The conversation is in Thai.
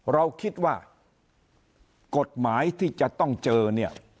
เราคิดว่ากฎหมายที่จะต้องเจอเนี่ย